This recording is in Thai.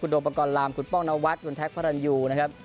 คุณโดบังกอลลามคุณป้องนวัสคุณแท็กพระรันยูนะครับ